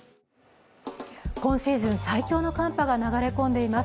今シーズン最強の寒波が流れ込んでいます。